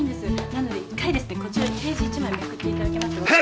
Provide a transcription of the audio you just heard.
なので１回ですねこちらページ１枚めくっていただきますと。